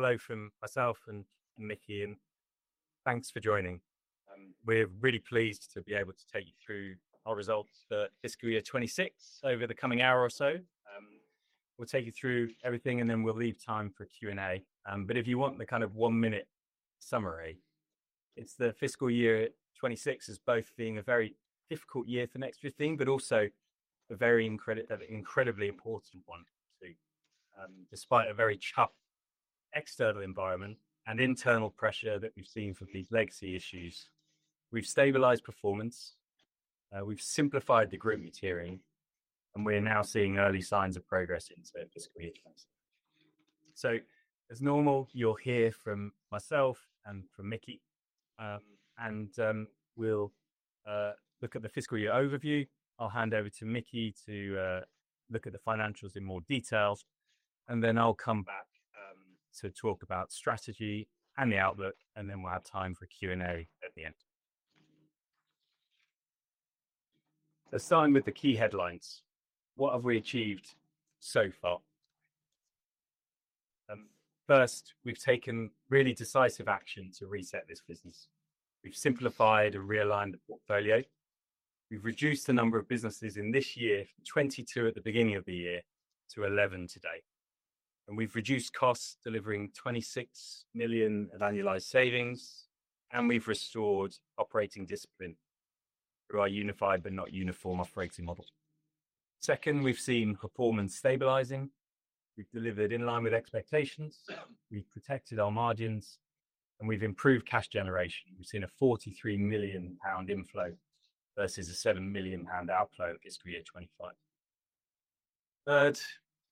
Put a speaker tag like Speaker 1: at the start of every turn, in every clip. Speaker 1: Hello from myself and Mickey, and thanks for joining. We're really pleased to be able to take you through our results for fiscal year '26 over the coming hour or so. We'll take you through everything, and then we'll leave time for Q&A. If you want the kind of one-minute summary, it's the fiscal year '26 as both being a very difficult year for Next 15, but also a very incredibly important one too. Despite a very choppy external environment and internal pressure that we've seen from these legacy issues, we've stabilized performance, we've simplified the group metering, and we're now seeing early signs of progress into fiscal year '26. As normal, you'll hear from myself and from Mickey. We'll look at the fiscal year overview. I'll hand over to Mickey to look at the financials in more detail, then I'll come back to talk about strategy and the outlook, then we'll have time for Q&A at the end. Starting with the key headlines, what have we achieved so far? First, we've taken really decisive action to reset this business. We've simplified and realigned the portfolio. We've reduced the number of businesses in this year from 22 at the beginning of the year to 11 today. We've reduced costs, delivering 26 million in annualized savings, and we've restored operating discipline through our unified but not uniform operating model. Second, we've seen performance stabilizing. We've delivered in line with expectations. We've protected our margins, and we've improved cash generation. We've seen a 43 million pound inflow versus a 7 million pound outflow fiscal year 2025. Third,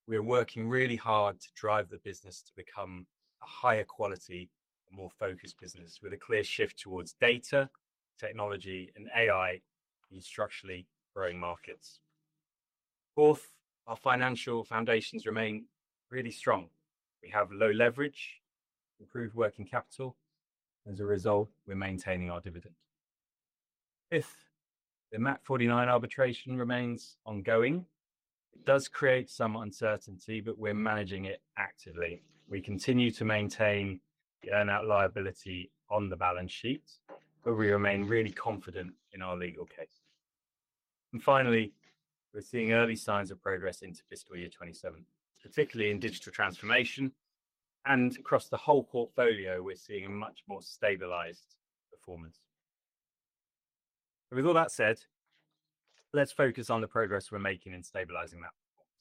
Speaker 1: we're working really hard to drive the business to become a higher quality, more focused business with a clear shift towards data, technology, and AI in structurally growing markets. Fourth, our financial foundations remain really strong. We have low leverage, improved working capital, and as a result, we're maintaining our dividend. Fifth, the Mach49 arbitration remains ongoing. It does create some uncertainty, but we're managing it actively. We continue to maintain the earn-out liability on the balance sheet, but we remain really confident in our legal cases. Finally, we're seeing early signs of progress into fiscal year 2027, particularly in digital transformation. Across the whole portfolio, we're seeing a much more stabilized performance. With all that said, let's focus on the progress we're making in stabilizing that performance.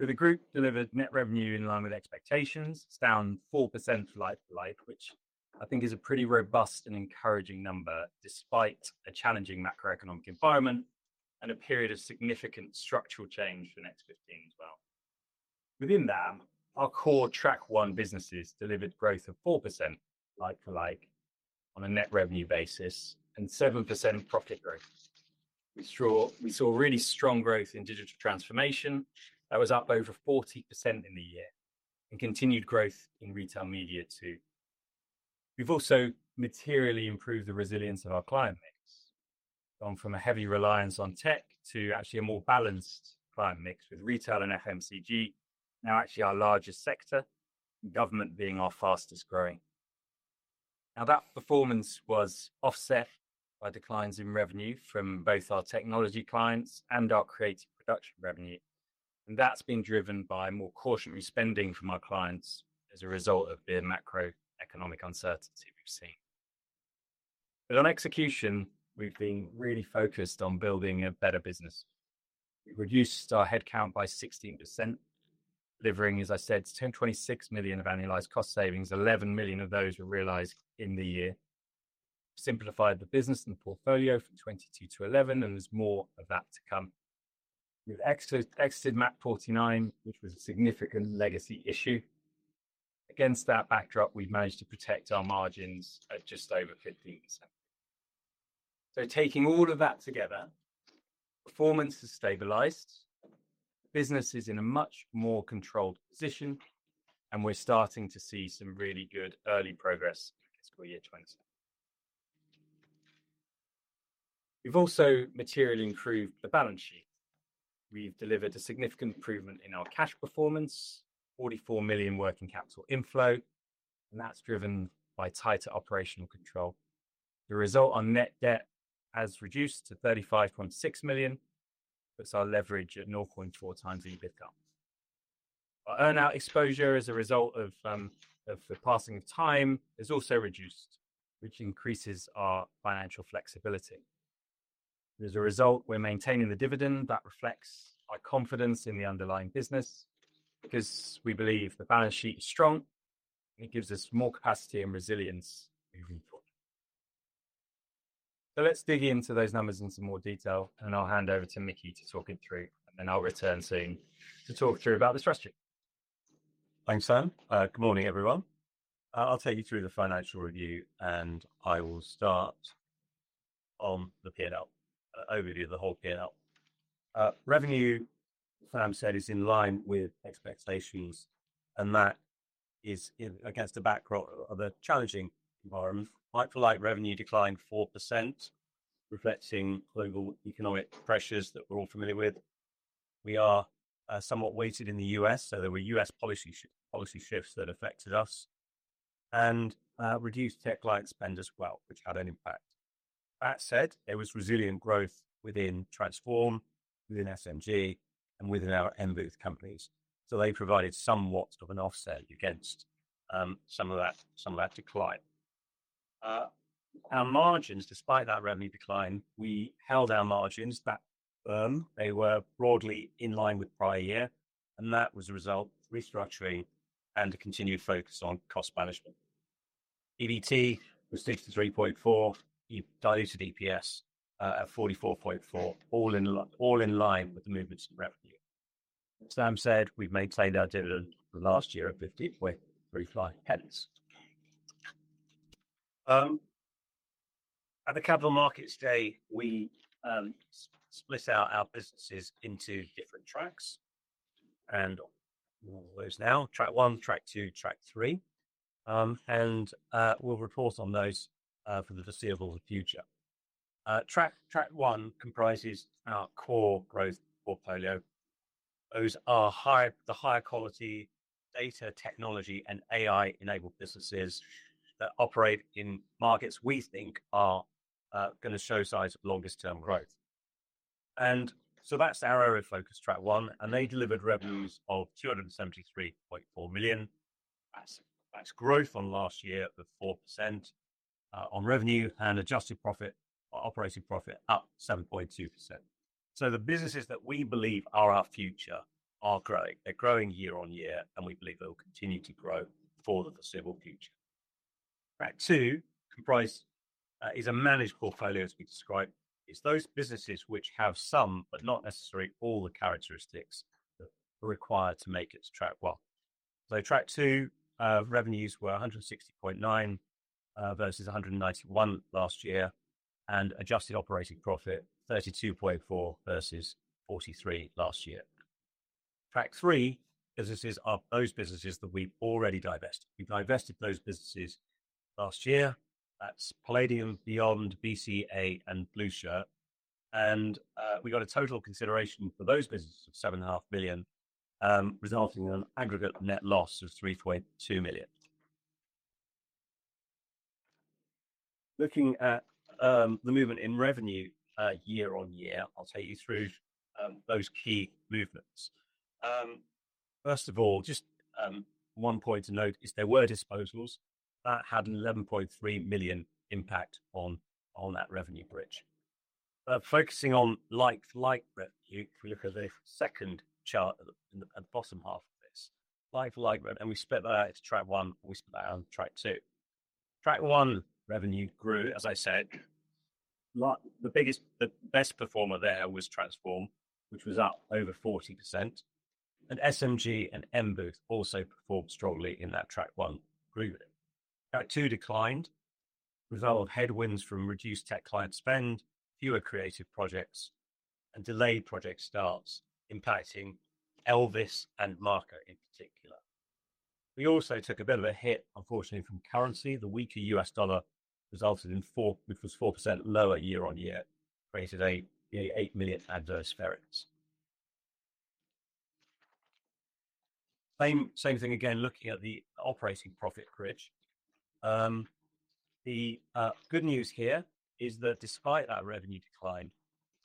Speaker 1: The group delivered net revenue in line with expectations, down 4%, from like-for-like, which I think is a pretty robust and encouraging number despite a challenging macroeconomic environment and a period of significant structural change for Next 15 as well. Within that, our core Track 1 businesses delivered growth of 4%, like-for-like on a net revenue basis and 7%, profit growth. We saw really strong growth in digital transformation. That was up over 40%, in the year and continued growth in retail media too. We've also materially improved the resilience of our client mix, gone from a heavy reliance on tech to actually a more balanced client mix with retail and FMCG, now actually our largest sector, government being our fastest growing. That performance was offset by declines in revenue from both our technology clients and our creative production revenue. That's been driven by more cautionary spending from our clients as a result of the macroeconomic uncertainty we've seen. On execution, we've been really focused on building a better business. We've reduced our headcount by 16%, delivering, as I said, 126 million of annualized cost savings. 11 million of those were realized in the year. We've simplified the business and the portfolio from 22 to 11. There's more of that to come. We've exited Mach49, which was a significant legacy issue. Against that backdrop, we've managed to protect our margins at just over 15%. Taking all of that together, performance has stabilized. The business is in a much more controlled position. We're starting to see some really good early progress in fiscal year 2027. We've also materially improved the balance sheet. We've delivered a significant improvement in our cash performance, 44 million working capital inflow, that's driven by tighter operational control. The result, our net debt has reduced to 35.6 million, puts our leverage at 0.4 times EBITDA. Our earn-out exposure as a result of the passing of time has also reduced, which increases our financial flexibility. As a result, we're maintaining the dividend. That reflects our confidence in the underlying business because we believe the balance sheet is strong, and it gives us more capacity and resilience moving forward. Let's dig into those numbers in some more detail, and then I'll hand over to Mickey to talk it through, and then I'll return soon to talk through about the strategy.
Speaker 2: Thanks, Sam. Good morning, everyone. I'll take you through the financial review. I will start on the P&L, an overview of the whole P&L. Revenue, Sam said, is in line with expectations. That is against a backdrop of a challenging environment. Like-for-like revenue declined 4%, reflecting global economic pressures that we're all familiar with. We are somewhat weighted in the U.S. There were U.S. policy shifts that affected us and reduced technology client spend as well, which had an impact. That said, there was resilient growth within Transform, within SMG, and within our M Booth companies. They provided somewhat of an offset against some of that decline. Our margins, despite that revenue decline, we held our margins back firm. They were broadly in line with prior year. That was a result of restructuring and a continued focus on cost management. EBIT was 63.4, diluted EPS, at 44.4p, all in all in line with the movements in revenue. As Sam said, we've maintained our dividend for the last year at 50.35. At the Capital Markets Day, we split out our businesses into different tracks and all those now: Track 1, Track 2, Track 3. We'll report on those for the foreseeable future. Track 1 comprises our core growth portfolio. Those are the higher quality data, technology, and AI-enabled businesses that operate in markets we think are going to show signs of longest-term growth. That's our area of focus, Track 1, and they delivered revenues of 273.4 million. That's growth on last year of 4%, on revenue and adjusted operating profit up 7.2%. The businesses that we believe are our future are growing. They're growing year-on-year, we believe they'll continue to grow for the foreseeable future. Track 2 comprises, is a managed portfolio, as we describe. It's those businesses which have some, but not necessarily all, the characteristics that are required to make it to Track 1. Track 2 revenues were 160.9 versus 191 last year, and adjusted operating profit 32.4 versus 43 last year. Track 3 businesses are those businesses that we've already divested. We've divested those businesses last year. That's Palladium, Beyond, BCA, and Blueshirt. We got a total consideration for those businesses of 7.5 million, resulting in an aggregate net loss of 3.2 million. Looking at the movement in revenue year-on-year, I'll take you through those key movements. First of all, just one point to note is there were disposals. That had an 11.3 million impact on that revenue bridge. focusing on like-for-like revenue, if we look at the second chart at the bottom half of this, like-for-like revenue, and we split that out into Track 1, and we split that out into Track 2. Track 1 revenue grew, as I said. The best performer there was Transform, which was up over 40%. SMG and M Booth also performed strongly in that Track 1, grew with it. Track 2 declined, result of headwinds from reduced technology client spend, fewer creative projects, and delayed project starts, impacting ELVIS and Marker in particular. We also took a bit of a hit, unfortunately, from currency. The weaker US dollar resulted in 4%, lower year-on-year, created GBP 8 million adverse FX effects. Same thing again, looking at the operating profit bridge. Good news here is that despite that revenue decline,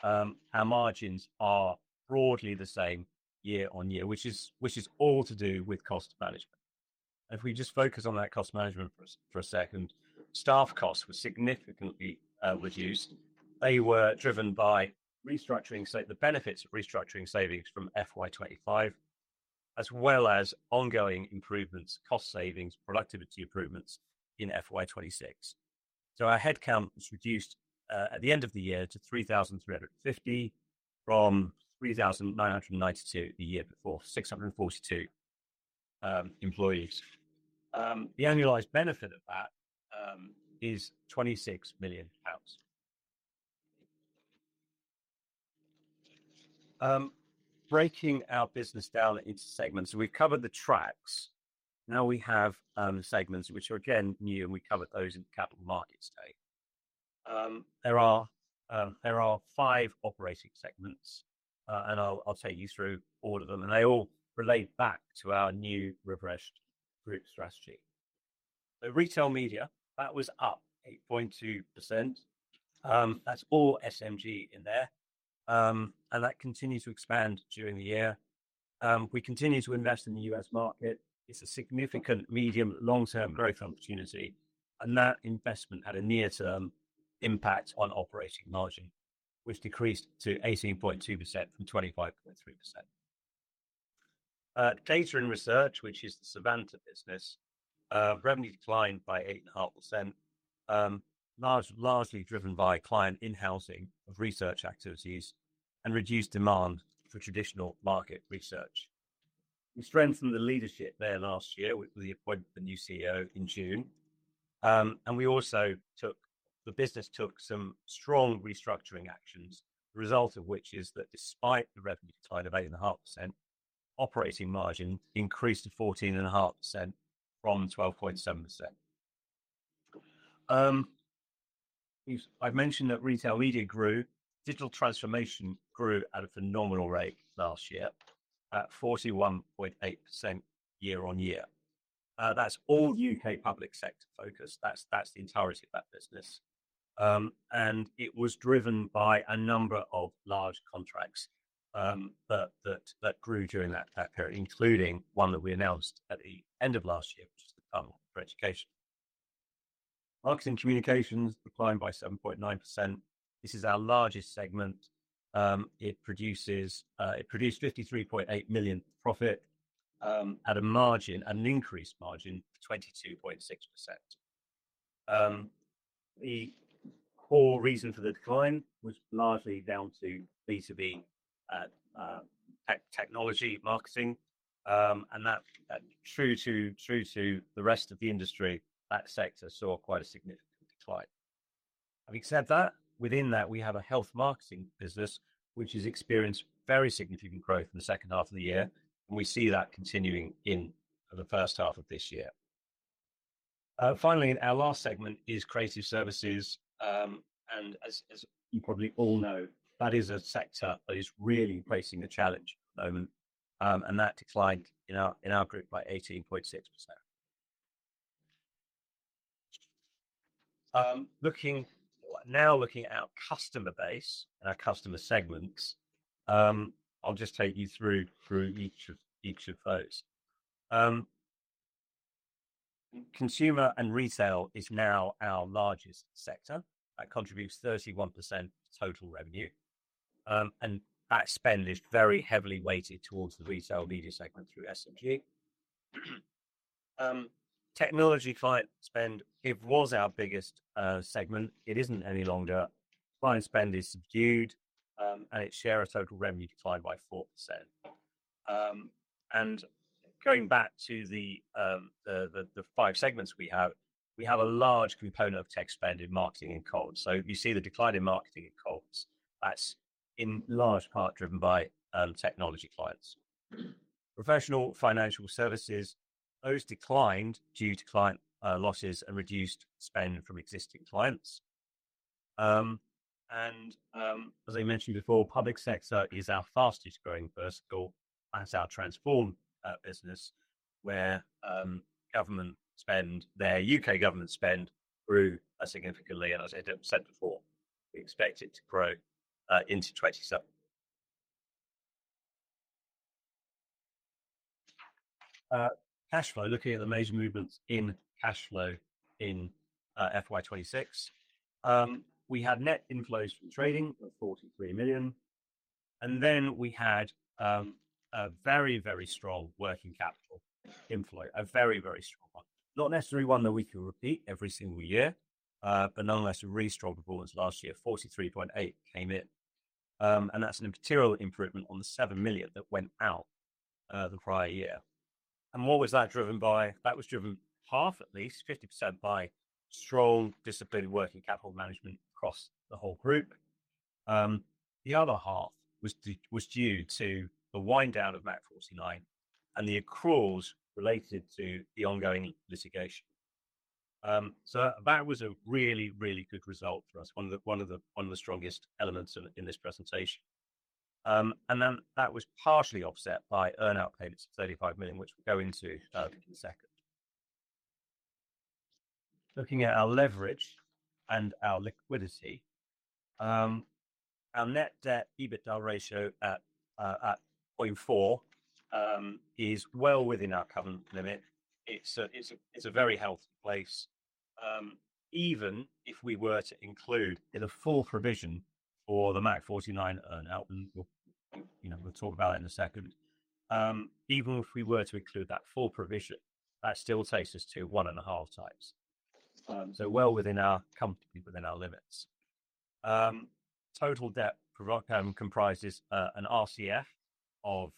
Speaker 2: our margins are broadly the same year on year, which is all to do with cost management. If we just focus on that cost management for a second, staff costs were significantly reduced. They were driven by restructuring, so the benefits of restructuring savings from FY 2025, as well as ongoing improvements, cost savings, productivity improvements in FY 2026. Our headcount was reduced at the end of the year to 3,350, from 3,992 the year before, 642 employees. Annualised benefit of that is 26 million pounds. Breaking our business down into segments. We've covered the tracks. Now we have segments which are, again, new, and we covered those in the Capital Markets Day. There are five operating segments. I'll take you through all of them. They all relate back to our new refreshed group strategy. Retail media, that was up 8.2%. That's all SMG in there. That continues to expand during the year. We continue to invest in the U.S. market. It's a significant medium long-term growth opportunity. That investment had a near-term impact on operating margin, which decreased to 18.2% from 25.3%. Data and research, which is the Savanta business, revenue declined by 8.5%, largely driven by client in-housing of research activities and reduced demand for traditional market research. We strengthened the leadership there last year with the appointment of the new CEO in June. We also took some strong restructuring actions, the result of which is that despite the revenue decline of 8.5%, operating margin increased to 14.5%, from 12.7%. I've mentioned that retail media grew. Digital transformation grew at a phenomenal rate last year, at 41.8% year-over-year. That's all U.K. public sector focus. That's the entirety of that business. It was driven by a number of large contracts that grew during that period, including one that we announced at the end of last year, which is the Tunnel for Education. Marketing communications declined by 7.9%. This is our largest segment. It produced 53.8 million profit, at a margin, an increased margin of 22.6%. The core reason for the decline was largely down to B2B, technology marketing. That true to the rest of the industry, that sector saw quite a significant decline. Having said that, within that, we have a health marketing business, which has experienced very significant growth in the second half of the year, and we see that continuing in the first half of this year. Finally, our last segment is creative services. As you probably all know, that is a sector that is really facing a challenge at the moment, that declined in our group by 18.6%. Looking now at our customer base and our customer segments, I'll just take you through each of those. Consumer and retail is now our largest sector. That contributes 31%, total revenue. That spend is very heavily weighted towards the retail media segment through SMG. Technology client spend, it was our biggest segment. It isn't any longer. Client spend is subdued, and its share of total revenue declined by 4%. Going back to the 5 segments we have, we have a large component of tech spend in marketing and comms. You see the decline in marketing and comms. That's in large part driven by technology clients. Professional financial services, those declined due to client losses and reduced spend from existing clients. As I mentioned before, public sector is our fastest growing vertical. That's our Transform business, where government spend, their U.K. government spend, grew significantly, as I said before, we expect it to grow into 27%. Cash flow, looking at the major movements in cash flow in FY 2026, we had net inflows from trading of 43 million. Then we had a very strong working capital inflow, a very strong one. Not necessarily one that we could repeat every single year, but nonetheless, a really strong performance last year. 43.8 came in. That's an immaterial improvement on the 7 million that went out the prior year. What was that driven by? That was driven half, at least 50%, by strong disciplined working capital management across the whole group. The other half was due to the wind-down of Mach49 and the accruals related to the ongoing litigation. That was a really good result for us, one of the strongest elements in this presentation. That was partially offset by earnout payments of 35 million, which we'll go into in a second. Looking at our leverage and our liquidity, our net debt/EBITDA ratio at 0.4 is well within our current limit. It's a very healthy place. Even if we were to include in a full provision for the Mach49 earn-out, We'll you know, we'll talk about it in a second, even if we were to include that full provision, that still takes us to 1.5 times. Well within our comfortably within our limits. Total debt comprises an RCF of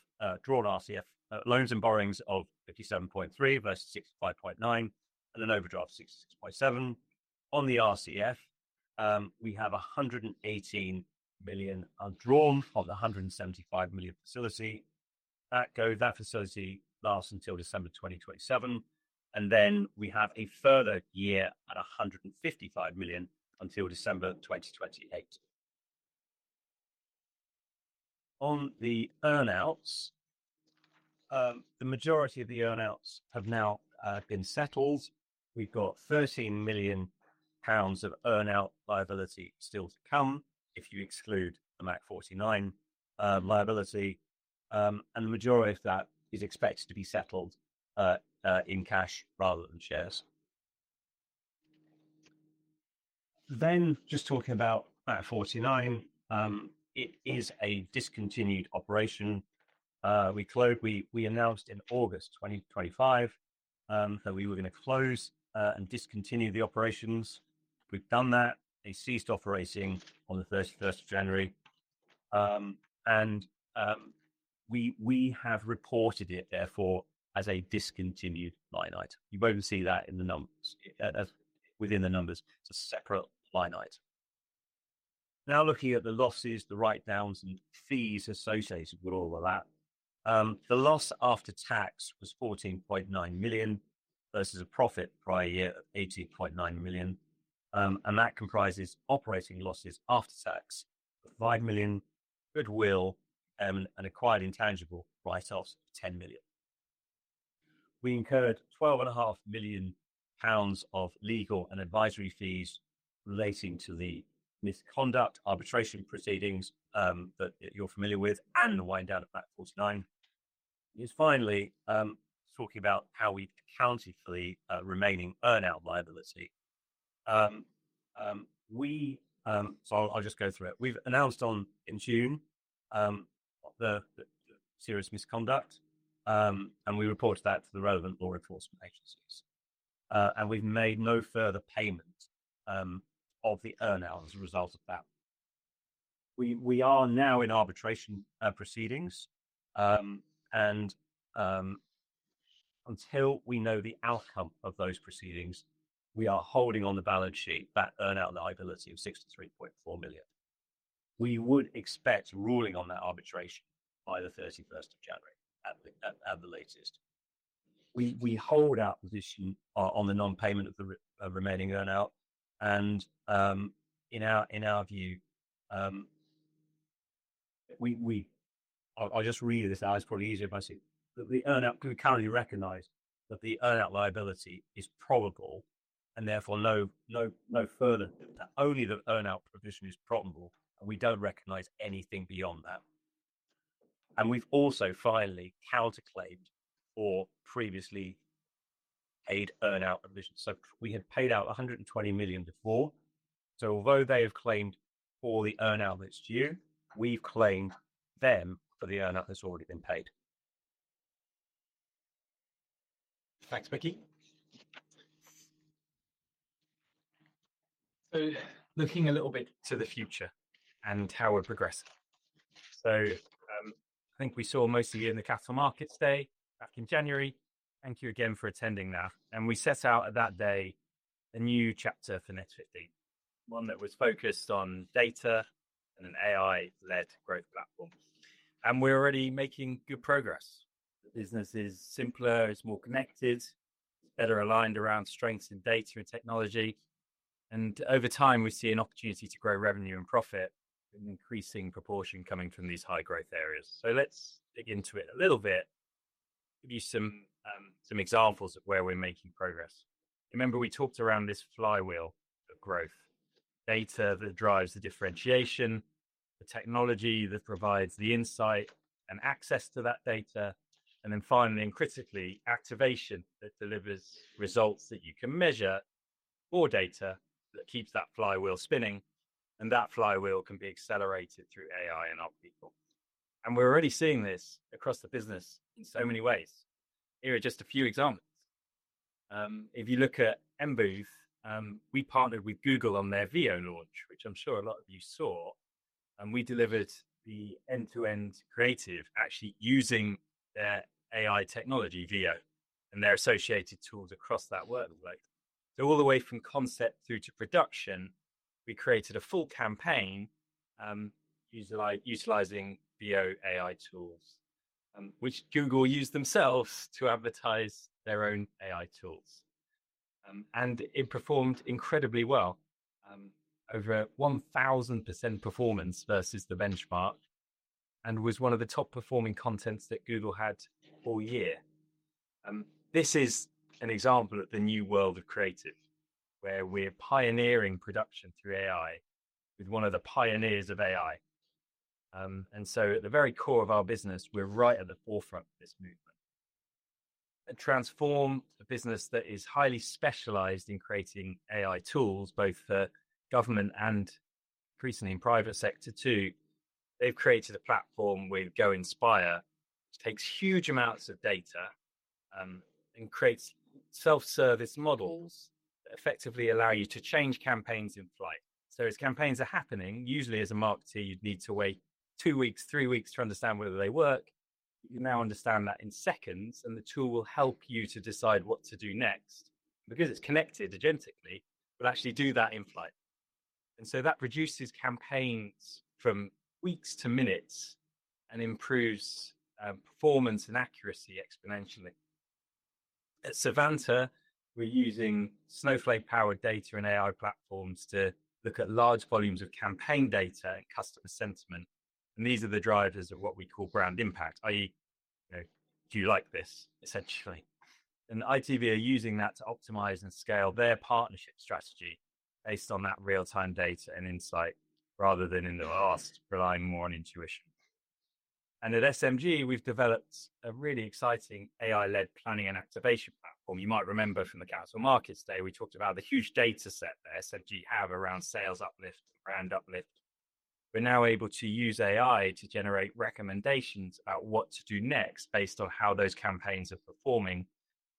Speaker 2: drawn RCF, loans and borrowings of 57.3 million versus 65.9 million, and an overdraft of 66.7 million. On the RCF, we have 118 million undrawn of the 175 million facility. That facility lasts until December 2027. We have a further year at 155 million until December 2028. On the earn-outs, the majority of the earn-outs have now been settled. We've got 13 million pounds of earn-out liability still to come, if you exclude the Mach49 liability. The majority of that is expected to be settled in cash rather than shares. Just talking about Mach49, it is a discontinued operation. We announced in August 2025 that we were going to close and discontinue the operations. We've done that. They ceased operating on the 31st of January. We have reported it, therefore, as a discontinued line item. You won't see that in the numbers as within the numbers. It's a separate line item. Looking at the losses, the write-downs, and fees associated with all of that, the loss after tax was 14.9 million versus a profit prior year of 18.9 million. That comprises operating losses after tax of 5 million, goodwill, and acquired intangible write-offs of 10 million. We incurred 12.5 million pounds of legal and advisory fees relating to the misconduct arbitration proceedings that you're familiar with, and the wind-down of Mach49. Finally, talking about how we've accounted for the remaining earn-out liability. I'll just go through it. We've announced on in June the serious misconduct, and we reported that to the relevant law enforcement agencies. We've made no further payment of the earn-out as a result of that. We are now in arbitration proceedings. Until we know the outcome of those proceedings, we are holding on the balance sheet that earn-out liability of 63.4 million. We would expect ruling on that arbitration by the 31st of January, at the latest. We hold our position on the non-payment of the remaining earnout. In our view, I'll just read this out. It's probably easier if I see it. The earnout we currently recognize that the earnout liability is probable, therefore no further that only the earn-out provision is probable, and we don't recognize anything beyond that. We've also finally counterclaimed for previously paid earn-out provisions. We had paid out 120 million before. Although they have claimed for the earn-out that's due, we've claimed them for the earn-out that's already been paid.
Speaker 1: Thanks, Mickey. Looking a little bit to the future and how we're progressing. I think we saw most of the year in the Capital Markets Day back in January. Thank you again for attending that. We set out at that day a new chapter for Next 15, one that was focused on data and an AI-led growth platform. We're already making good progress. The business is simpler, it's more connected, it's better aligned around strengths in data and technology. Over time, we see an opportunity to grow revenue and profit in increasing proportion coming from these high-growth areas. Let's dig into it a little bit, give you some examples of where we're making progress. Remember, we talked around this flywheel of growth: data that drives the differentiation, the technology that provides the insight and access to that data, and then finally, and critically, activation that delivers results that you can measure or data that keeps that flywheel spinning. That flywheel can be accelerated through AI and our people. We're already seeing this across the business in so many ways. Here are just a few examples. if you look at M Booth, we partnered with Google on their Veo launch, which I'm sure a lot of you saw. We delivered the end-to-end creative, actually using their AI technology, Veo, and their associated tools across that workplace. All the way from concept through to production, we created a full campaign utilizing Veo AI tools, which Google used themselves to advertise their own AI tools. It performed incredibly well, over 1,000% performance versus the benchmark, and was one of the top-performing contents that Google had all year. This is an example of the new world of creative, where we're pioneering production through AI with one of the pioneers of AI. At the very core of our business, we're right at the forefront of this movement. At Transform, a business that is highly specialized in creating AI tools, both for government and increasingly in private sector too, they've created a platform with Go Inspire, which takes huge amounts of data and creates self-service models that effectively allow you to change campaigns in flight. As campaigns are happening, usually as a marketer, you'd need to wait two weeks, three weeks to understand whether they work. You now understand that in seconds, the tool will help you to decide what to do next. Because it's connected agentically, it'll actually do that in flight. That reduces campaigns from weeks to minutes and improves performance and accuracy exponentially. At Savanta, we're using Snowflake-powered data and AI platforms to look at large volumes of campaign data and customer sentiment. These are the drivers of what we call brand impact, i.e., you know, "Do you like this?" essentially. ITV are using that to optimize and scale their partnership strategy based on that real-time data and insight, rather than in the past relying more on intuition. At SMG, we've developed a really exciting AI-led planning and activation platform. You might remember from the Capital Markets Day, we talked about the huge dataset that SMG have around sales uplift and brand uplift. We're now able to use AI to generate recommendations about what to do next based on how those campaigns are performing,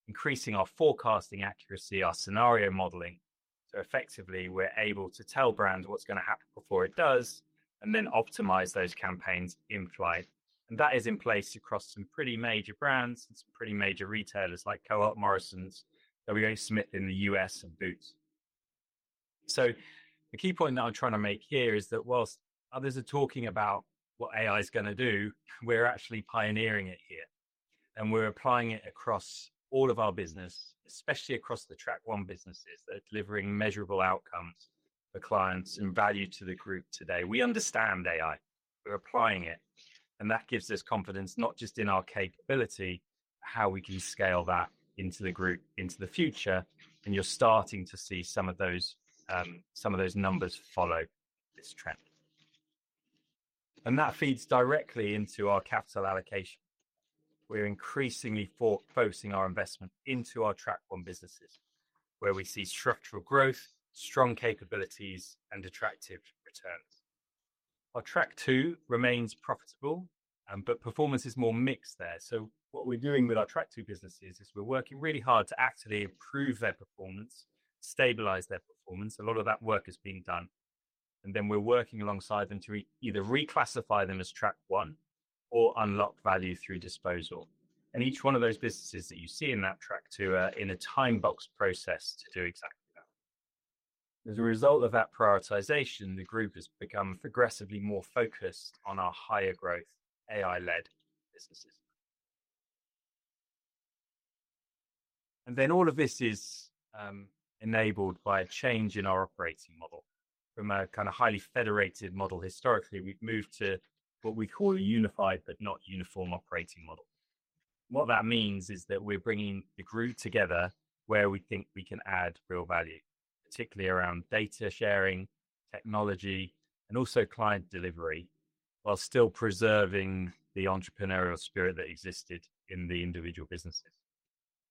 Speaker 1: increasing our forecasting accuracy, our scenario modeling. Effectively, we're able to tell brands what's going to happen before it does, and then optimize those campaigns in flight. That is in place across some pretty major brands and some pretty major retailers like Co-op Morrisons, WHSmith in the U.S., and Boots. The key point that I'm trying to make here is that whilst others are talking about what AI's going to do, we're actually pioneering it here. We're applying it across all of our business, especially across the Track 1 businesses that are delivering measurable outcomes for clients and value to the group today. We understand AI. We're applying it. That gives us confidence, not just in our capability, but how we can scale that into the group into the future. You're starting to see some of those numbers follow this trend. That feeds directly into our capital allocation. We're increasingly focusing our investment into our Track 1 businesses, where we see structural growth, strong capabilities, and attractive returns. Our Track 2 remains profitable, but performance is more mixed there. What we're doing with our Track 2 businesses is we're working really hard to actively improve their performance, stabilize their performance. A lot of that work is being done. We're working alongside them to either reclassify them as Track 1 or unlock value through disposal. Each one of those businesses that you see in that Track 2 are in a time-box process to do exactly that. As a result of that prioritization, the group has become progressively more focused on our higher-growth, AI-led businesses. All of this is enabled by a change in our operating model. From a kind of highly federated model historically, we've moved to what we call a unified but not uniform operating model. What that means is that we're bringing the group together where we think we can add real value, particularly around data sharing, technology, and also client delivery, while still preserving the entrepreneurial spirit that existed in the individual businesses.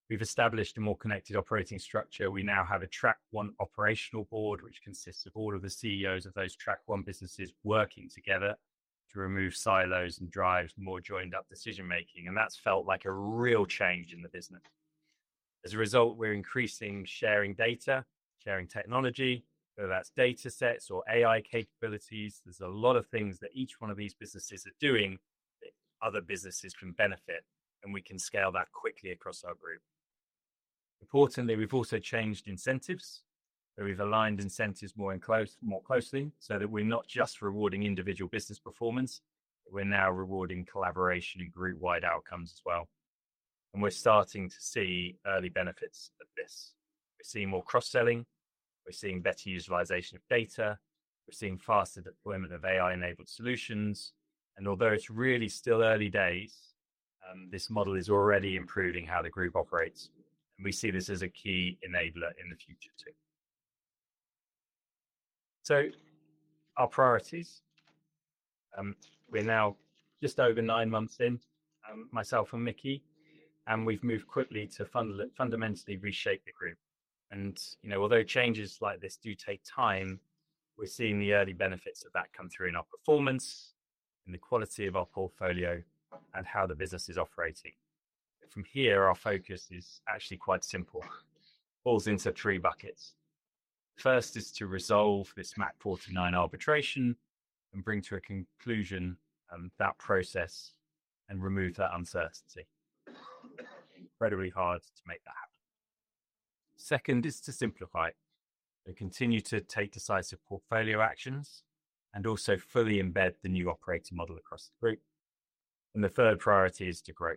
Speaker 1: We've established a more connected operating structure. We now have a Track 1 operational board, which consists of all of the CEO's of those Track 1 businesses working together to remove silos and drive more joined-up decision-making. That's felt like a real change in the business. As a result, we're increasing sharing data, sharing technology, whether that's datasets or AI capabilities. There's a lot of things that each one of these businesses are doing that other businesses can benefit from. We can scale that quickly across our group. Importantly, we've also changed incentives. We've aligned incentives more closely, so that we're not just rewarding individual business performance, but we're now rewarding collaboration and group-wide outcomes as well. We're starting to see early benefits of this. We're seeing more cross-selling. We're seeing better utilization of data. We're seeing faster deployment of AI-enabled solutions. Although it's really still early days, this model is already improving how the group operates. We see this as a key enabler in the future too. Our priorities. We're now just over nine months in, myself and Mickey, and we've moved quickly to fundamentally reshape the group. You know, although changes like this do take time, we're seeing the early benefits of that come through in our performance, in the quality of our portfolio, and how the business is operating. From here, our focus is actually quite simple, falls into three buckets. The first is to resolve this Mach49 arbitration and bring to a conclusion, that process and remove that uncertainty. Incredibly hard to make that happen. Second is to simplify and continue to take decisive portfolio actions and also fully embed the new operating model across the group. The third priority is to grow.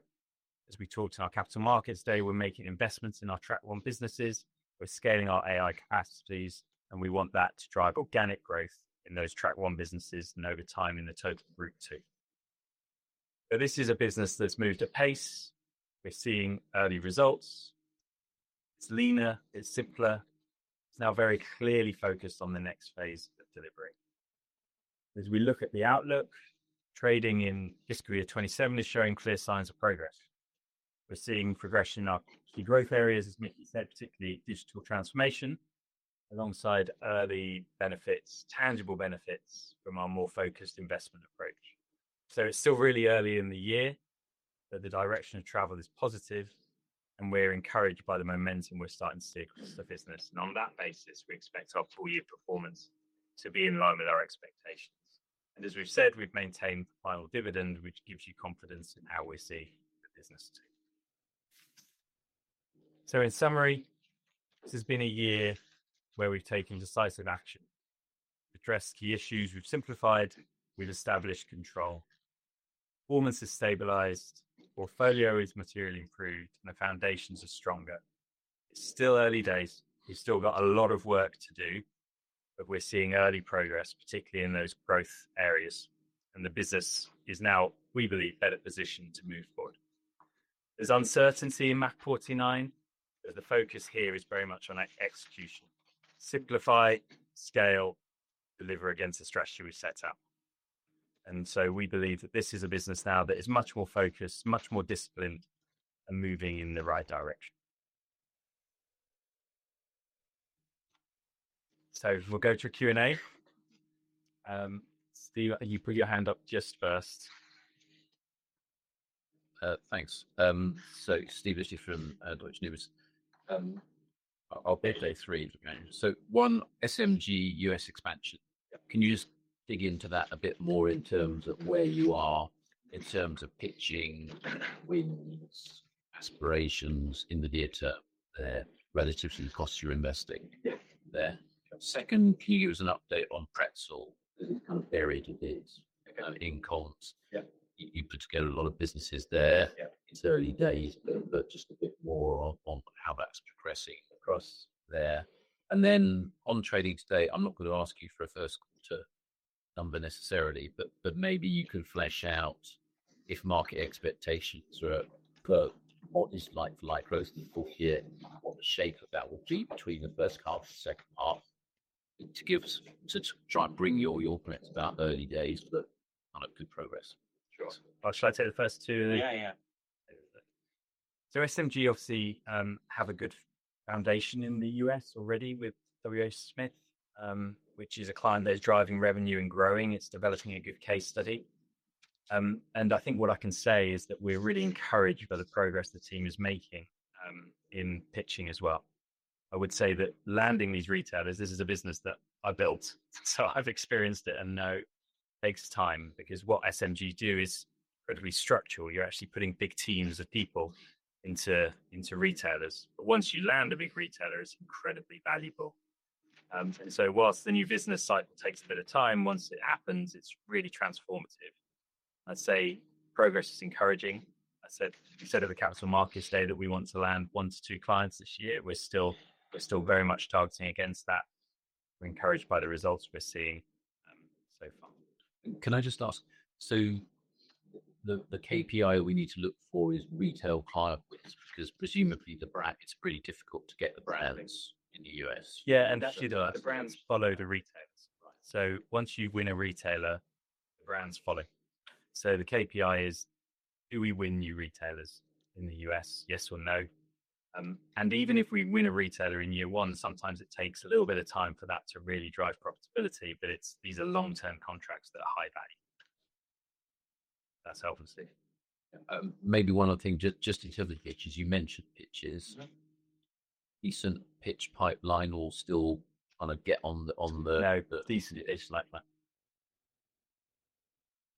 Speaker 1: As we talked in our Capital Markets Day, we're making investments in our Track 1 businesses. We're scaling our AI capacities, and we want that to drive organic growth in those Track 1 businesses and over time in the total Group 2. This is a business that's moved at pace. We're seeing early results. It's leaner, it's simpler. It's now very clearly focused on the next phase of delivery. As we look at the outlook, trading in history of 2017 is showing clear signs of progress. We're seeing progression in our key growth areas, as Mickey said, particularly digital transformation, alongside early benefits, tangible benefits from our more focused investment approach. It's still really early in the year, but the direction of travel is positive. We're encouraged by the momentum we're starting to see across the business. On that basis, we expect our full-year performance to be in line with our expectations. As we've said, we've maintained the final dividend, which gives you confidence in how we see the business too. In summary, this has been a year where we've taken decisive action. We've addressed key issues, we've simplified, we've established control. Performance has stabilized, portfolio is materially improved, and the foundations are stronger. It's still early days. We've still got a lot of work to do, but we're seeing early progress, particularly in those growth areas. The business is now, we believe, better positioned to move forward. There's uncertainty in Mach49, but the focus here is very much on execution. Simplify, scale, deliver against the strategy we've set out. We believe that this is a business now that is much more focused, much more disciplined, and moving in the right direction. We'll go to a Q&A. Steve, you put your hand up just first.
Speaker 3: Thanks. Steve Liechti from Deutsche Numis. I'll both say three. One, SMG U.S. expansion. Can you just dig into that a bit more in terms of where you are, in terms of pitching, wins, aspirations in the near term there, relative to the costs you're investing there? Second, can you give us an update on Pretzl? This is kind of varied a bit. Okay. Incomes.
Speaker 1: Yeah.
Speaker 3: You put together a lot of businesses there.
Speaker 1: Yeah.
Speaker 3: It's early days, but just a bit more on how that's progressing across there. on trading today, I'm not going to ask you for a first quarter number necessarily, but maybe you can flesh out if market expectations are at. what is it like for like-for-like growth in the fourth year? What the shape of that will be between the first half and the second half? To give us, to try and bring your opinions about early days, but kind of good progress. Sure.
Speaker 1: Should I take the first two and then?
Speaker 3: Yeah, yeah.
Speaker 1: SMG obviously, have a good foundation in the U.S. already with WHSmith, which is a client that's driving revenue and growing. It's developing a good case study. I think what I can say is that we're really encouraged by the progress the team is making, in pitching as well. I would say that landing these retailers, this is a business that I built, so I've experienced it and know it takes time. Because what SMG do is incredibly structural. You're actually putting big teams of people into retailers. Once you land a big retailer, it's incredibly valuable. Whilst the new business cycle takes a bit of time, once it happens, it's really transformative. I'd say progress is encouraging. I said we said at the Capital Markets Day that we want to land one to two clients this year. We're still very much targeting against that. We're encouraged by the results we're seeing, so far.
Speaker 3: Can I just ask? The KPI that we need to look for is retail client wins, because presumably the brand, it's pretty difficult to get the brands in the U.S.
Speaker 1: Yeah, actually the brands follow the retailers. Right. Once you win a retailer, the brands follow. The KPI is, do we win new retailers in the U.S.? Yes or no? Even if we win a retailer in year one, sometimes it takes a little bit of time for that to really drive profitability, but it's, these are long-term contracts that are high value. That's obviously.
Speaker 3: Yeah. Maybe one other thing, just until the pitches, you mentioned pitches. Decent pitch pipeline or still trying to get on the? No, but decent. It's like,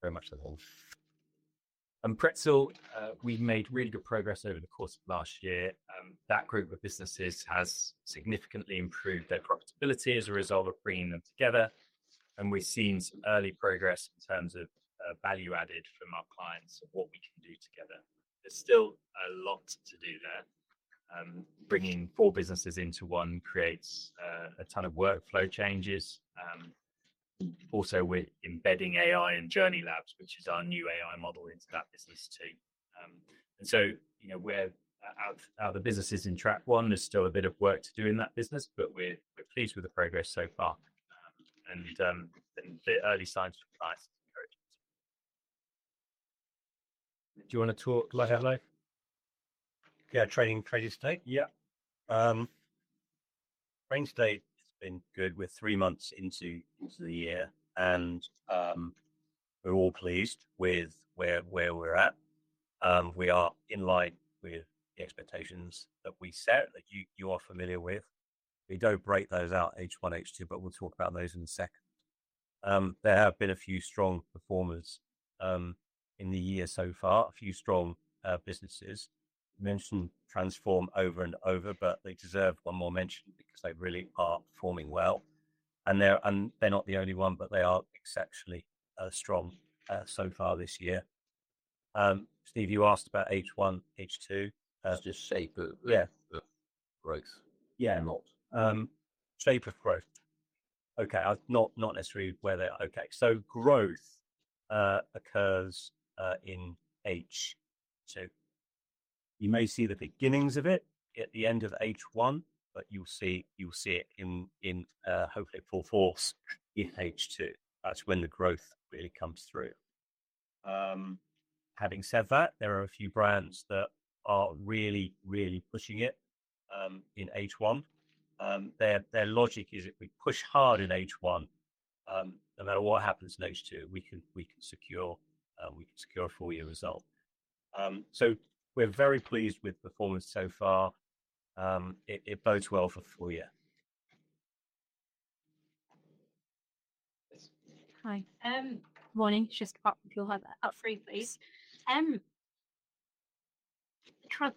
Speaker 3: very much the whole.
Speaker 1: Pretzl, we've made really good progress over the course of last year. That group of businesses has significantly improved their profitability as a result of bringing them together. We've seen some early progress in terms of value added from our clients of what we can do together. There's still a lot to do there. Bringing four businesses into one creates a ton of workflow changes. Also we're embedding AI in Journey Labs, which is our new AI model into that business too. You know, we're out of the businesses in Track 1. There's still a bit of work to do in that business, but we're pleased with the progress so far. A bit early signs for clients to encourage us. Do you want to talk light out loud?
Speaker 2: Yeah, trading today? Yeah. Trading today has been good. We're three months into the year, and we're all pleased with where we're at. We are in line with the expectations that we set, that you are familiar with. We don't break those out H1, H2, but we'll talk about those in a second. There have been a few strong performers in the year so far, a few strong businesses. You mentioned Transform over and over, but they deserve one more mention because they really are performing well. They're not the only one, but they are exceptionally strong so far this year. Steve, you asked about H1, H2. It's just shape of growth. Okay, I've not necessarily where they're at. Okay, growth occurs in H2. You may see the beginnings of it at the end of H1, but you'll see it in hopefully at full force in H2. That's when the growth really comes through. Having said that, there are a few brands that are really really pushing it in H1. their logic is if we push hard in H1, no matter what happens in H2, we can secure a full-year result. we're very pleased with performance so far. it bodes well for full year.
Speaker 4: Hi. good morning. Just pop your heads out free, please.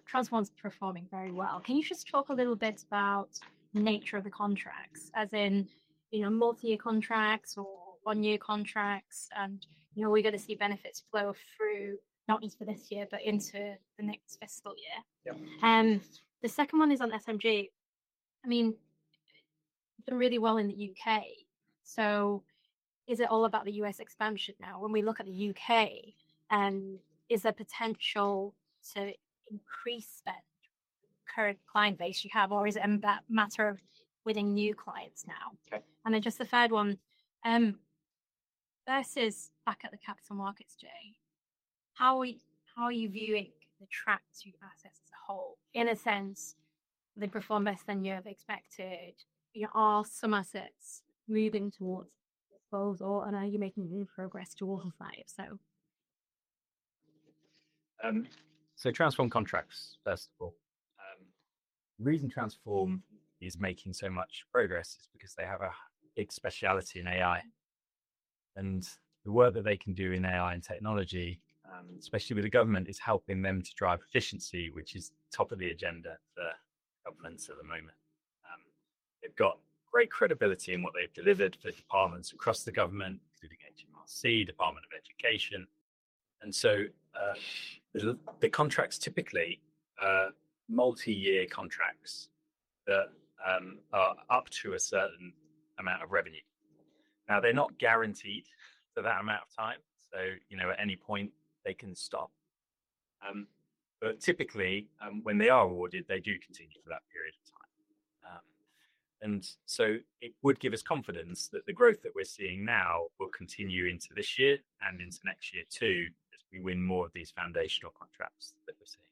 Speaker 4: Transform's performing very well. Can you just talk a little bit about the nature of the contracts, as in, you know, multi-year contracts or one-year contracts, and, you know, we're going to see benefits flow through, not just for this year, but into the next fiscal year? Yeah. the second one is on SMG. I mean, they're doing really well in the U.K. is it all about the U.S. expansion now? When we look at the U.K., is there potential to increase spend? Current client base you have, or is it a matter of winning new clients now? Okay. Just the third one, versus back at the Capital Markets Day, how are you viewing the Track 2 assets as a whole? In a sense, they perform better than you ever expected. You know, are some assets moving towards goals, or are you making any progress towards that, if so?
Speaker 1: Transform contracts, first of all. The reason Transform is making so much progress is because they have a big specialty in AI. The work that they can do in AI and technology, especially with the government, is helping them to drive efficiency, which is top of the agenda for governments at the moment. They've got great credibility in what they've delivered for departments across the government, including HMRC, Department of Education. the contracts typically, multi-year contracts that, are up to a certain amount of revenue. Now, they're not guaranteed for that amount of time. you know, at any point, they can stop. typically, when they are awarded, they do continue for that period of time. it would give us confidence that the growth that we're seeing now will continue into this year and into next year too, as we win more of these foundational contracts that we're seeing.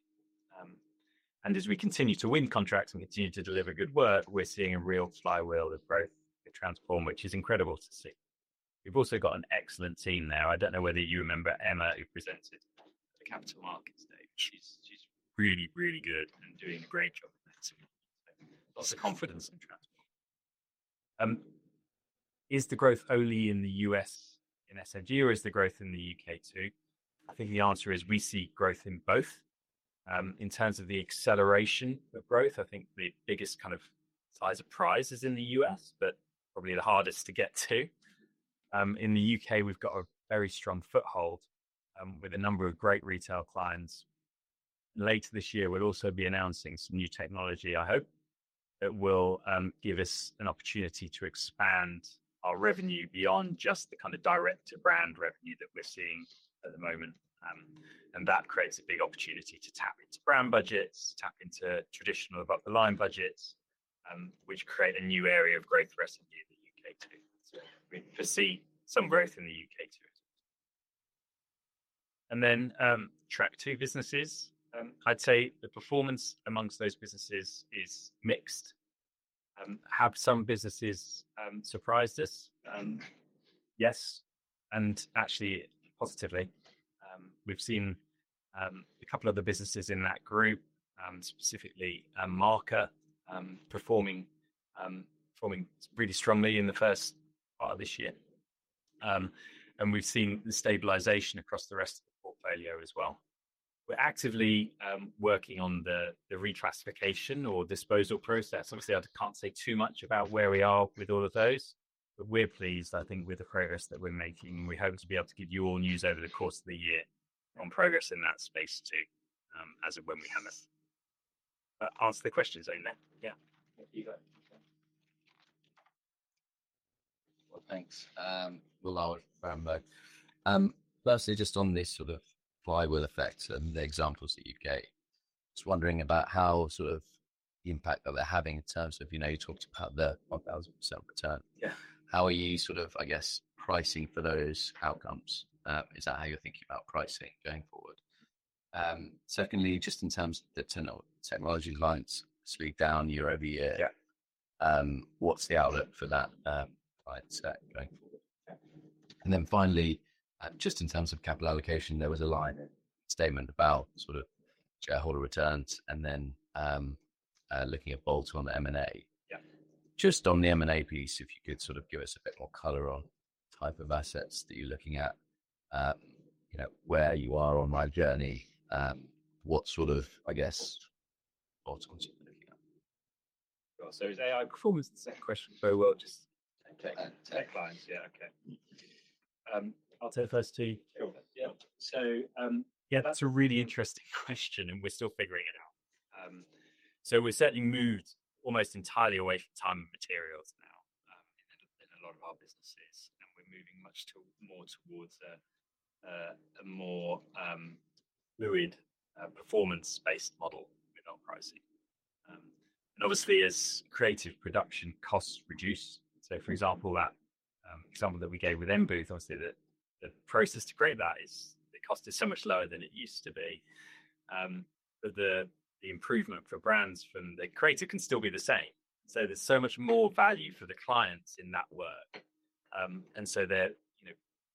Speaker 1: as we continue to win contracts and continue to deliver good work, we're seeing a real flywheel of growth with Transform, which is incredible to see. We've also got an excellent team there. I don't know whether you remember Emma, who presented at the Capital Markets Day. She's really, really good and doing a great job of that too. lots of confidence in Transform. is the growth only in the U.S. in SMG, or is the growth in the U.K. too? I think the answer is we see growth in both. in terms of the acceleration of growth, I think the biggest kind of size of prize is in the U.S., but probably the hardest to get to. in the U.K., we've got a very strong foothold, with a number of great retail clients. later this year, we'll also be announcing some new technology, I hope, that will, give us an opportunity to expand our revenue beyond just the kind of direct-to-brand revenue that we're seeing at the moment. that creates a big opportunity to tap into brand budgets, tap into traditional above-the-line budgets, which create a new area of growth revenue in the U.K. too. we foresee some growth in the U.K. too. Track 2 businesses, I'd say the performance among those businesses is mixed. Have some businesses surprised us? Yes, and actually positively. We've seen a couple of the businesses in that group, specifically Marker, performing really strongly in the first part of this year. We've seen the stabilization across the rest of the portfolio as well. We're actively working on the reclassification or disposal process. Obviously, I can't say too much about where we are with all of those, but we're pleased, I think, with the progress that we're making. We hope to be able to give you all news over the course of the year on progress in that space too, as of when we have an answer to the questions only then. Yeah. Thank you, guys. Okay.
Speaker 4: Well, thanks. Well, our brand mode. firstly, just on this sort of flywheel effect and the examples that you gave, just wondering about how sort of the impact that they're having in terms of, you know, you talked about the 1,000% return. Yeah. How are you sort of, I guess, pricing for those outcomes? Is that how you're thinking about pricing going forward? secondly, just in terms of the technology client spend down year-over-year. Yeah. what's the outlook for that, client set going forward? Okay. then finally, just in terms of capital allocation, there was a line in the statement about sort of shareholder returns and then, looking at bolt-on on the M&A. Yeah. Just on the M&A piece, if you could sort of give us a bit more color on the type of assets that you're looking at, you know, where you are on my journey, what sort of, I guess, bolt-ons you're looking at?
Speaker 1: Is AI performance the second question? Very well. Just tech clients. Tech clients. Yeah, okay. I'll take the first two. Sure. Yeah. yeah, that's a really interesting question, and we're still figuring it out. we've certainly moved almost entirely away from time and materials now, in a lot of our businesses. we're moving much more towards a more, fluid, performance-based model with our pricing. obviously, as creative production costs reduce, so for example that we gave with M Booth, obviously the process to create that is the cost is so much lower than it used to be. The improvement for brands from the creator can still be the same. There's so much more value for the clients in that work. They're, you know,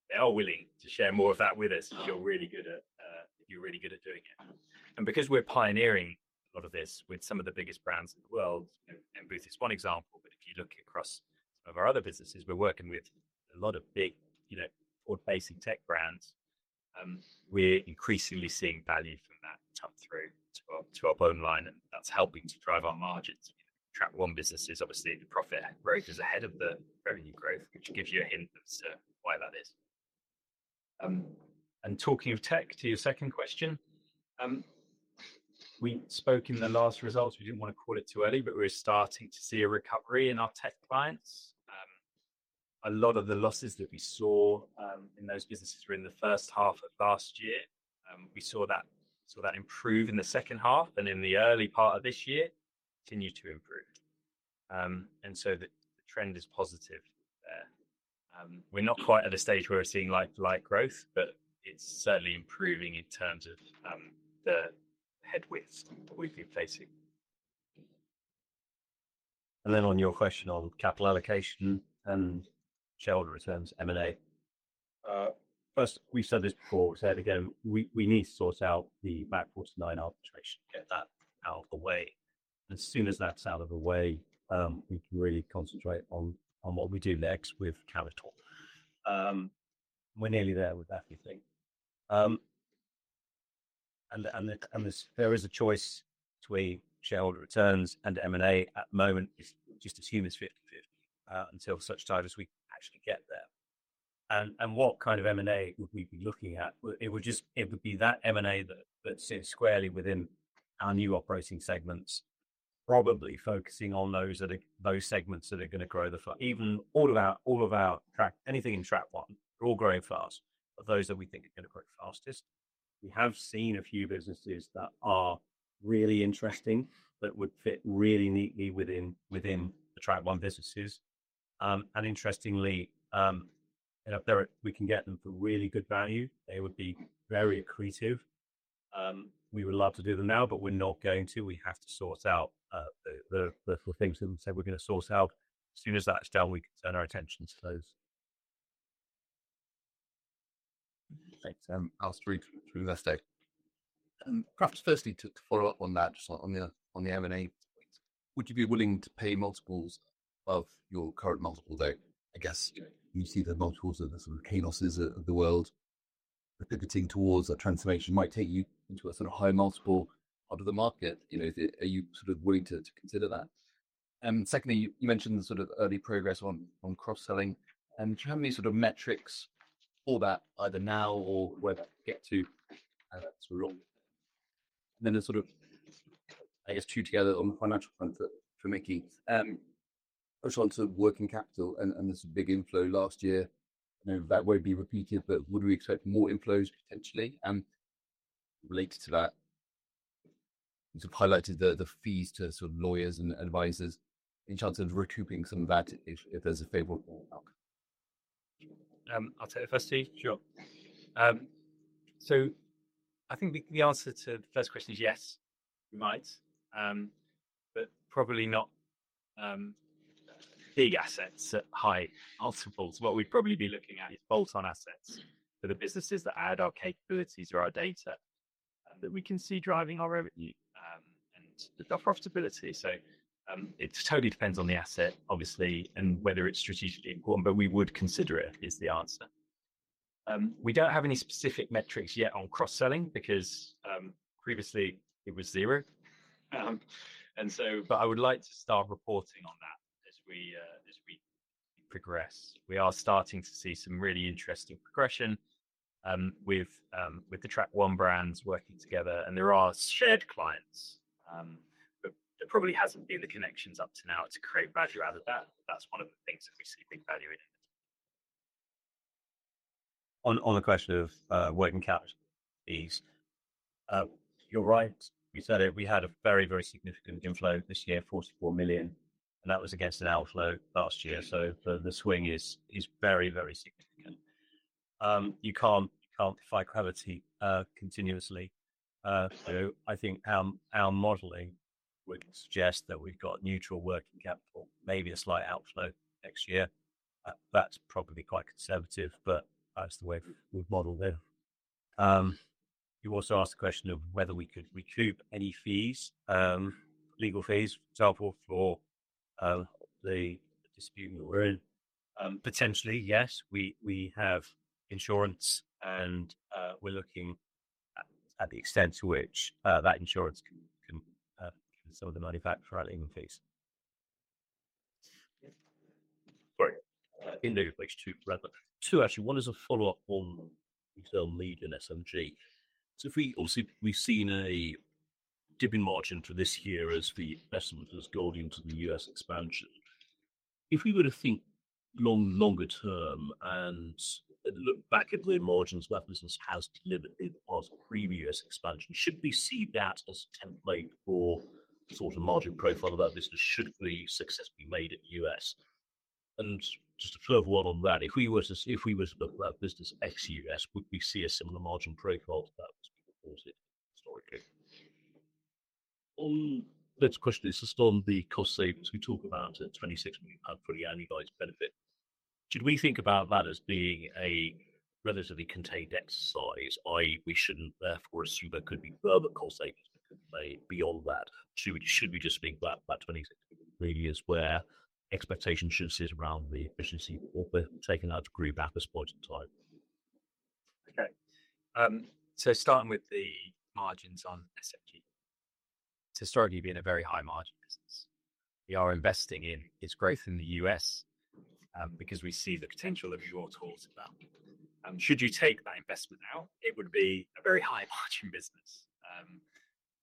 Speaker 1: they are willing to share more of that with us if you're really good at doing it. Because we're pioneering a lot of this with some of the biggest brands in the world, you know, M Booth is one example, but if you look across some of our other businesses, we're working with a lot of big, you know, forward-facing tech brands. We're increasingly seeing value from that come through to our bottom line, and that's helping to drive our margins. You know, Track 1 businesses, obviously, the profit growth is ahead of the revenue growth, which gives you a hint as to why that is. talking of tech, to your second question, we spoke in the last results, we didn't want to call it too early, but we're starting to see a recovery in our tech clients. a lot of the losses that we saw in those businesses were in the first half of last year. we saw that improve in the second half, and in the early part of this year, continue to improve. the trend is positive there. we're not quite at a stage where we're seeing like-for-like growth, but it's certainly improving in terms of the headwinds that we've been facing. on your question on capital allocation and shareholder returns, M&A. first, we've said this before, we've said it again, we need to sort out the Mach49 arbitration, get that out of the way. as soon as that's out of the way, we can really concentrate on what we do next with capital. we're nearly there with everything. there is a choice between shareholder returns and M&A at the moment, it's just as human as 50/50, until such time as we actually get there. what kind of M&A would we be looking at? It would be that M&A that sits squarely within our new operating segments, probably focusing on those segments that are going to grow the fast. Even all of our Track, anything in Track 1, they're all growing fast, but those that we think are going to grow the fastest. We have seen a few businesses that are really interesting, that would fit really neatly within the Track 1 businesses. interestingly, you know, there are, we can get them for really good value. They would be very accretive. We would love to do them now, but we're not going to. We have to sort out the things that we say we're going to sort out. As soon as that's done, we can turn our attention to those.
Speaker 4: Thanks. I'll stream through the next day. Perhaps firstly, to follow up on that, just on the M&A point, would you be willing to pay multiples above your current multiple, though? I guess, you know, you see the multiples of the sort of chaoses of the world pivoting towards a transformation might take you into a sort of higher multiple out of the market. You know, are you sort of willing to consider that? Secondly, you mentioned sort of early progress on cross-selling. do you have any sort of metrics for that, either now or where that could get to as we're on with it? Then the sort of, I guess, two together on the financial front for Mickey. push on to working capital and this big inflow last year. I know that won't be repeated, but would we expect more inflows, potentially? related to that, you sort of highlighted the fees to sort of lawyers and advisors, any chance of recouping some of that if there's a favorable outcome?
Speaker 1: I'll take the first two. Sure. I think the answer to the first question is yes, we might. Probably not, big assets at high multiples. What we'd probably be looking at is bolt-on assets for the businesses that add our capabilities or our data, that we can see driving our revenue, and the profitability. It totally depends on the asset, obviously, and whether it's strategically important, but we would consider it, is the answer. We don't have any specific metrics yet on cross-selling because, previously it was zero. I would like to start reporting on that as we progress. We are starting to see some really interesting progression, with the Track 1 brands working together, and there are shared clients, but there probably hasn't been the connections up to now to create value out of that. That's one of the things that we see big value in.
Speaker 2: On the question of working capital fees, you're right. We said it. We had a very, very significant inflow this year, 44 million, and that was against an outflow last year. The swing is very, very significant. You can't fight gravity continuously. I think our modeling would suggest that we've got neutral working capital, maybe a slight outflow next year. That's probably quite conservative, but that's the way we've modeled it. You also asked the question of whether we could recoup any fees, legal fees, for the dispute that we're in. Potentially, yes. We have insurance and we're looking at the extent to which that insurance can give us some of the money back for our legal fees.
Speaker 4: Yeah. Sorry. In lieu of which, actually, one is a follow-up on retail lead in SMG. If we, obviously, we've seen a dipping margin for this year as the investment was going into the U.S. expansion. If we were to think long, longer term and look back at the margins that our business has delivered as previous expansion, should we see that as a template for sort of margin profile that our business should be successfully made at the U.S.? Just a further one on that, if we were to look at our business ex-U.S., would we see a similar margin profile to that was reported historically? On the next question, it's just on the cost savings we talk about at 26 million for the annualized benefit. Should we think about that as being a relatively contained exercise, i.e., we shouldn't therefore assume there could be further cost savings that could be made beyond that? Should we just think that 26 million is where expectation should sit around the efficiency of taking out a group at this point in time?
Speaker 2: Okay. Starting with the margins on SMG, it's historically been a very high-margin business. We are investing in its growth in the U.S., because we see the potential you talked about. Should you take that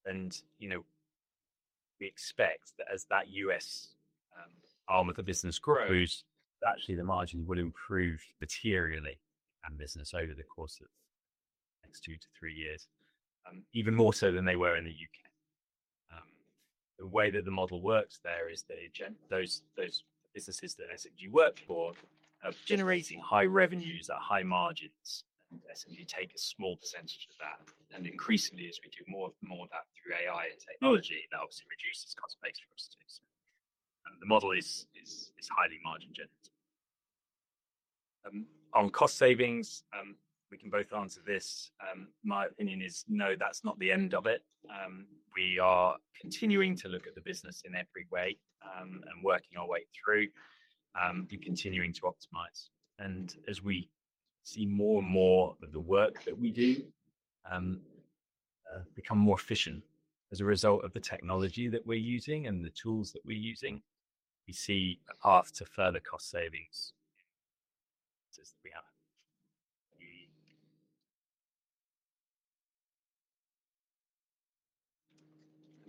Speaker 2: investment out, it would be a very high-margin business. You know, we expect that as that U.S. arm of the business grows, that actually the margins would improve materially in our business over the course of the next two to three years, even more so than they were in the U.K. The way that the model works there is that it generates those businesses that SMG works for are generating high revenues at high margins, and SMG take a small percentage of that. Increasingly, as we do more and more of that through AI and technology, that obviously reduces cost basis for us too. The model is highly margin-generative. On cost savings, we can both answer this. My opinion is no, that's not the end of it. We are continuing to look at the business in every way, and working our way through, and continuing to optimize. As we see more and more of the work that we do, become more efficient as a result of the technology that we're using and the tools that we're using, we see a path to further cost savings in the businesses that we have.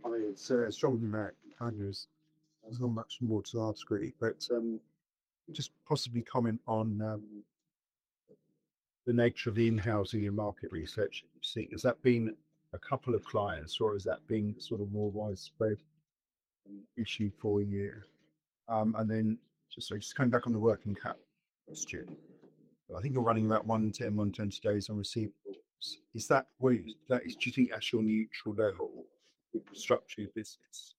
Speaker 4: Hi. It's John McAners. There's not much more to ask really, but, just possibly comment on, the nature of the in-house and your market research that you've seen. Has that been a couple of clients, or has that been sort of more widespread an issue for you? just coming back on the working cap question, I think you're running about 110, 120 days on receivables. that is, do you think at your neutral level with the structure of your business?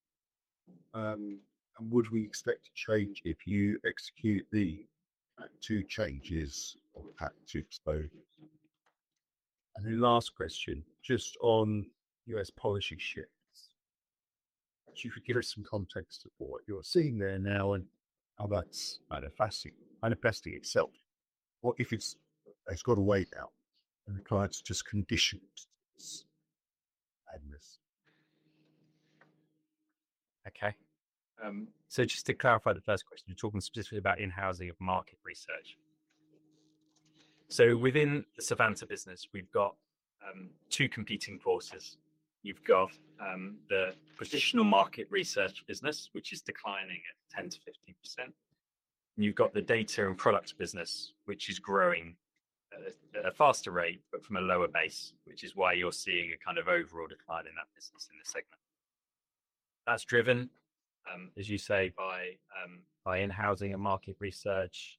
Speaker 4: would we expect a change if you execute the Track 2 changes or the Track 2 exposures? last question, just on U.S. policy shifts, could you give us some context of what you're seeing there now and how that's manifesting itself? What if it's got a weight now and the clients are just conditioned to this?
Speaker 2: Okay. just to clarify the first question, you're talking specifically about in-housing of market research. within the Savanta business, we've got two competing forces. You've got the positional market research business, which is declining at 10 to 15%. You've got the data and product business, which is growing at a faster rate, but from a lower base, which is why you're seeing a kind of overall decline in that business in the segment. That's driven, as you say, by in-housing and market research,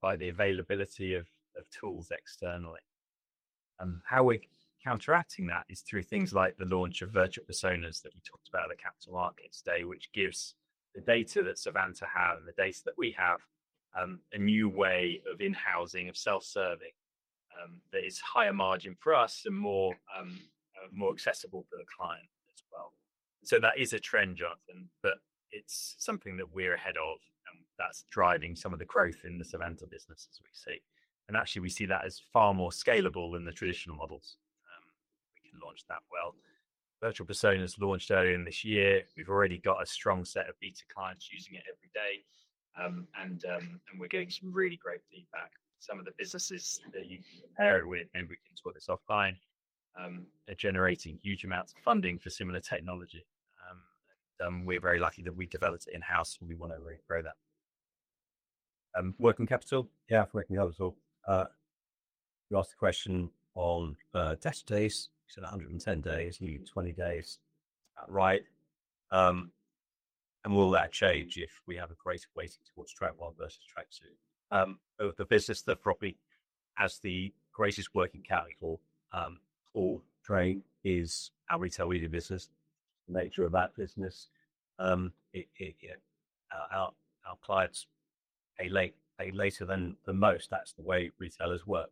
Speaker 2: by the availability of tools externally. How we're counteracting that is through things like the launch of virtual personas that we talked about at the capital market today, which gives the data that Savanta have and the data that we have a new way of in-housing, of self-serving, that is higher margin for us and more accessible for the client as well. that is a trend, Jonathan, but it's something that we're ahead of, and that's driving some of the growth in the Savanta business as we see. actually, we see that as far more scalable than the traditional models. we can launch that well. virtual personas launched earlier in this year. We've already got a strong set of beta clients using it every day. we're getting some really great feedback. Some of the businesses that you can compare it with, maybe we can talk this offline, are generating huge amounts of funding for similar technology. we are very lucky that we developed it in-house and we want to regrow that. working capital? Yeah, working capital. you asked a question on, test days. You said 110 days. You need 20 days. Is that right? will that change if we have a greater weighting towards Track 1 versus Track 2? the business that probably has the greatest working capital strain is our retail media business. The nature of that business, it, you know, our clients pay late, pay later than most. That's the way retailers work.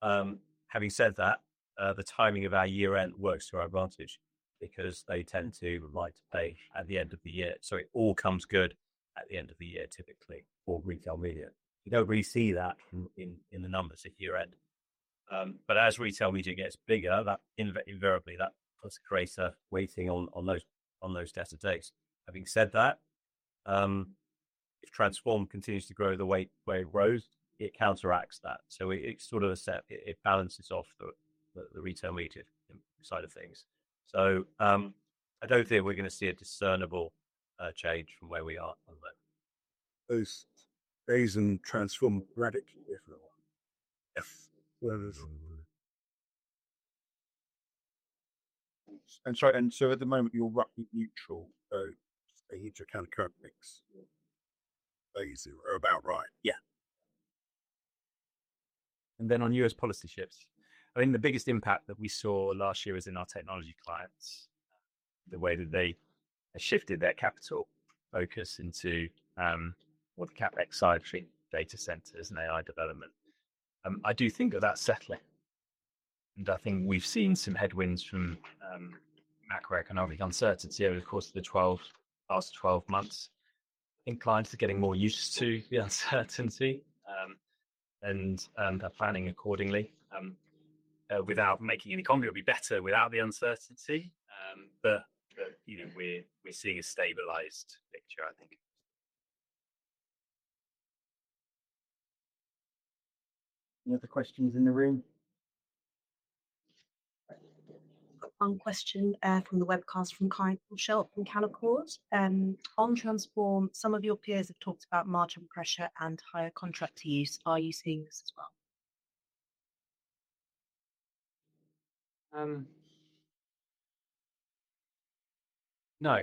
Speaker 2: having said that, the timing of our year-end works to our advantage because they tend to like to pay at the end of the year. it all comes good at the end of the year, typically, for retail media. You don't really see that in the numbers at year-end. as retail media gets bigger, that invariably puts a greater weighting on those pay days. Having said that, if Transform continues to grow the weight where it grows, it counteracts that. It, it's sort of a set, it balances off the retail media side of things. I don't think we're going to see a discernible change from where we are at the moment.
Speaker 4: Those phases in Transform are radically different. Yes. Whereas sorry, at the moment you're roughly neutral, so a huge amount of current mix phase zero are about right?
Speaker 1: Yeah. Then on U.S. policy shifts, I think the biggest impact that we saw last year was in our technology clients, the way that they have shifted their capital focus into more of the CapEx side between data centers and AI development. I do think of that settling. I think we've seen some headwinds from macroeconomic uncertainty over the course of the last 12 months. I think clients are getting more used to the uncertainty, and they're planning accordingly. without making any conduit, it would be better without the uncertainty. You know, we're seeing a stabilized picture, I think. Any other questions in the room?
Speaker 5: One question, from the webcast from Kai Korschelt, Canaccord. On Transform, some of your peers have talked about margin pressure and higher contract use. Are you seeing this as well?
Speaker 1: No.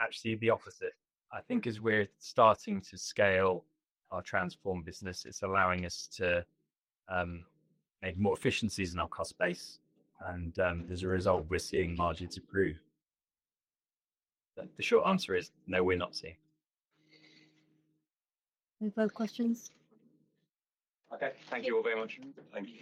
Speaker 1: Actually, the opposite. I think as we're starting to scale our Transform business, it's allowing us to make more efficiencies in our cost base. As a result, we're seeing margins improve. The short answer is no, we're not seeing.
Speaker 5: Any further questions?
Speaker 1: Okay. Thank you all very much. Thank you.